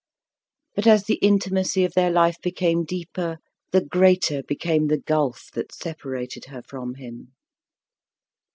But as the intimacy of their life became deeper, the greater became the gulf that separated her from him.